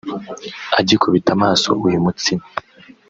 Agikubita amaso uyu mutsima